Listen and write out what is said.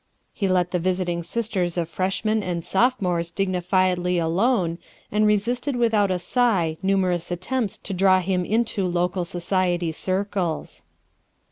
Ho let the visiting sisters of fresh men and sophomores dignifiedly alone, and resisted without a sigh numerous attempts to draw him into local society circles.